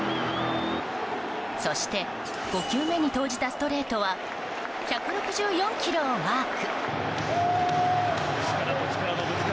そして５球目に投じたストレートは１６４キロをマーク。